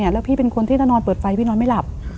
แล้วพี่เป็นคนที่ถ้านอนเปิดไฟพี่นอนไม่หลับ